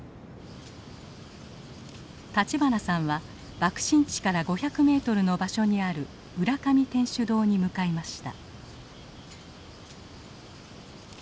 立花さんは爆心地から５００ｍの場所にある浦上天主堂に向かいました。